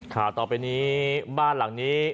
ข่าวต่อไปนี้บ้านหลังนี้